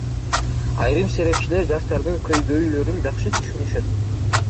Айрым серепчилер жаштардын көйгөйлөрүн жакшы түшүнүшөт.